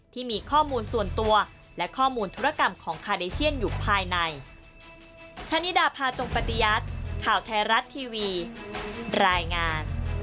ที่มีข้อมูลส่วนตัวและข้อมูลธุรกรรมของคาเดเชียนอยู่ภายใน